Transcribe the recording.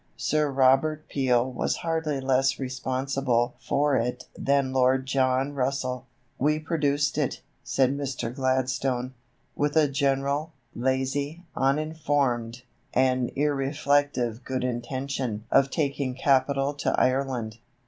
Sir Robert Peel was hardly less responsible for it than Lord John Russell. "We produced it," said Mr. Gladstone, "with a general, lazy, uninformed, and irreflective good intention of taking capital to Ireland.